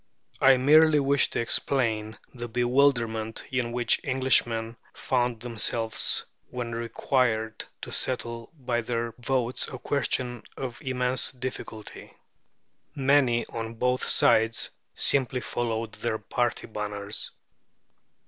I merely wish to explain the bewilderment in which Englishmen found themselves when required to settle by their votes a question of immense difficulty. Many, on both sides, simply followed their party banners.